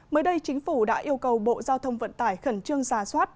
mới đây chính phủ đã yêu cầu bộ giao thông vận tải khẩn trương giả soát